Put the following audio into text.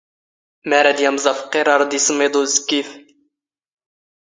ⵎⴰ ⵔⴰⴷ ⵢⴰⵎⵥ ⴰⴼⵇⵇⵉⵔ ⴰⵔ ⴷ ⵉⵙⵎⵉⴹ ⵓⵣⴽⴽⵉⴼ?